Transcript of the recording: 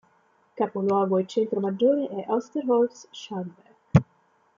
Capoluogo e centro maggiore è Osterholz-Scharmbeck.